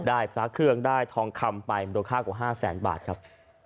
พระเครื่องได้ทองคำไปมูลค่ากว่า๕แสนบาทครับ